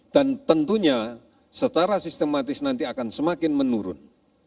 dan tentunya secara sistematis nanti akan semakin menurun